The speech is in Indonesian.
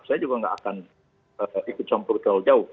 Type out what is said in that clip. saya juga nggak akan ikut campur terlalu jauh